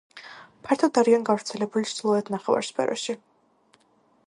ფართოდ არიან გავრცელებული ჩრდილოეთ ნახევარსფეროში.